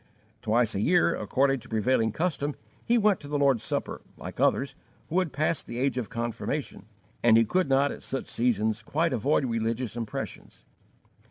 Twice a year, according to prevailing custom, he went to the Lord's Supper, like others who had passed the age of confirmation, and he could not at such seasons quite avoid religious impressions.